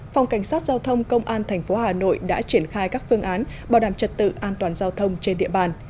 phòng cảnh sát giao thông công an tp hà nội đã triển khai các phương án bảo đảm trật tự an toàn giao thông trên địa bàn